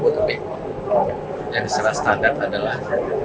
tapi yang secara standar adalah